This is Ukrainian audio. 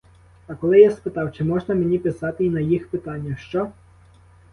А коли я спитав, чи можна мені писати й на їх питання: що?